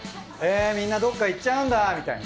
みんなどっか行っちゃうんだみたいな。